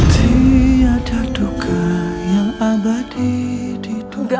tidak ada tukang yang abadi di dunia